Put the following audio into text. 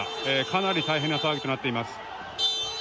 かなり大変な騒ぎとなっています。